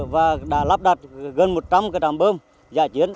và đã lắp đặt gần một trăm linh trạm bơm giải chiến